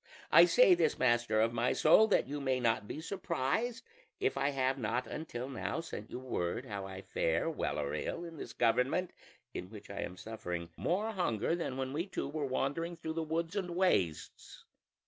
I say this, master of my soul, that you may not be surprised if I have not until now sent you word of how I fare, well or ill, in this government, in which I am suffering more hunger than when we two were wandering through the woods and wastes.